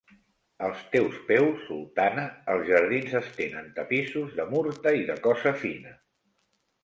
Als teus peus, sultana, els jardins estenen tapissos de murta i de cosa fina.